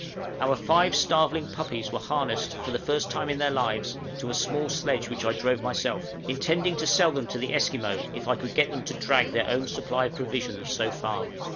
Our five starveling puppies were harnessed, for the first time in their lives, to a small sledge which I drove myself, intending to sell them to the Esquimaux, if I could get them to drag their own supply of provisions so far.